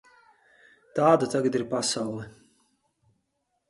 Tāda tagad ir pasaule.